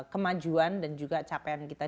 kemajuan dan juga capaian kita